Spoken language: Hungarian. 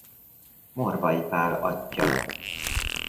Morvay Pál atyja.